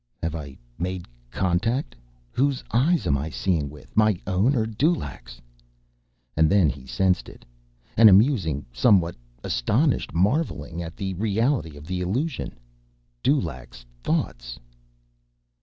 Have I made contact? Whose eyes am I seeing with, my own or Dulaq's? And then he sensed it—an amused, somewhat astonished marveling at the reality of the illusion. Dulaq's thoughts!